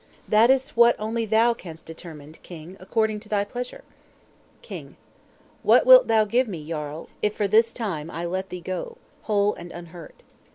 _ "'That is what only thou canst determine, King, according to thy pleasure.' King. "'What wilt thou give me, Jarl, if, for this time, I let thee go, whole and unhurt?'